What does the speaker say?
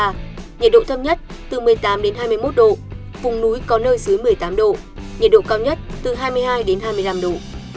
nhiệt độ thấp nhất từ một mươi tám đến hai mươi một độ vùng núi có nơi dưới một mươi tám độ nhiệt độ cao nhất từ hai mươi hai đến hai mươi năm độ